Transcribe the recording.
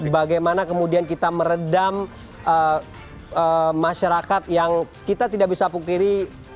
bagaimana kemudian kita meredam masyarakat yang kita tidak bisa pungkiri